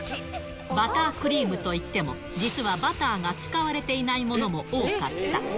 バタークリームといっても、実はバターが使われていないものも多かった。